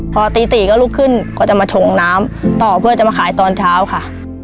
พอตี๔ก็ลุกขึ้นก็จะมาชงน้ำต่อเพื่อจะมาขายตอนเช้าค่ะ